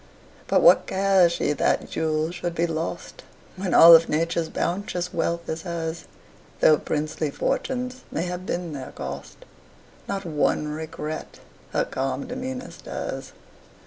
But what cares she that jewels should be lost, When all of Nature's bounteous wealth is hers? Though princely fortunes may have been their cost, Not one regret her calm demeanor stirs.